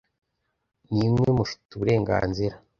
nimwe mufite uburenganzira